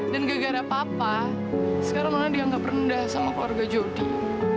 dan gak gara gara papa sekarang nona dianggap rendah sama keluarga jodoh